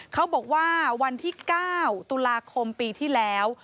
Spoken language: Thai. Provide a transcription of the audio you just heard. เขาบอกว่าวันที่๙ตุลาคมปีที่แล้ว